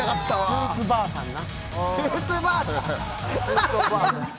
スーツばあさんな。